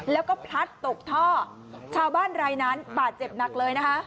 แล้วก็พลัดตกท่อชาวบ้านรายนั้นบาดเจ็บหนักเลยนะคะ